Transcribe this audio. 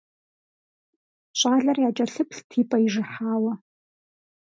Щӏалэр якӀэлъыплът и пӀэ ижыхьауэ.